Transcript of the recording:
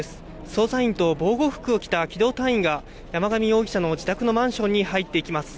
捜査員と防護服を着た機動隊員が、山上容疑者の自宅のマンションに入っていきます。